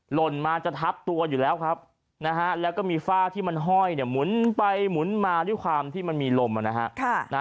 หล่นมาจะทับตัวอยู่แล้วครับนะฮะแล้วก็มีฝ้าที่มันห้อยเนี่ยหมุนไปหมุนมาด้วยความที่มันมีลมนะฮะ